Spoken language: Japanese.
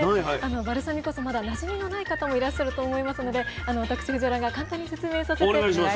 バルサミコ酢まだなじみのない方もいらっしゃると思いますので私藤原が簡単に説明させて頂きます。